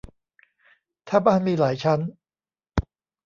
ถ้าบ้านมีหลายชั้น